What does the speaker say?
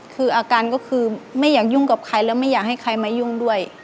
คืออาการก็คือไม่อยากยุ่งกับใครแล้วไม่อยากให้ใครมายุ่งด้วย